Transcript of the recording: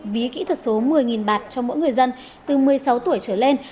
ví kỹ thuật số một mươi bạt cho mỗi người dân từ một mươi sáu tuổi trở lên